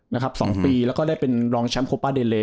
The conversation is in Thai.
นะครับสองปีแล้วก็ได้เป็นรองเจ้าโครป้าเดเลย